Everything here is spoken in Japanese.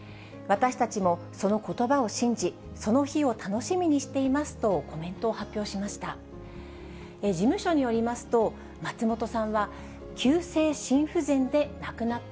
私たちもそのことばを信じ、その日を楽しみにしていますとコメントを発表しました。